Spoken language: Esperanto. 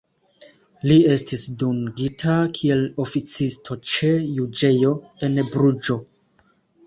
Li estis dungita kiel oficisto ĉe juĝejo en Bruĝo.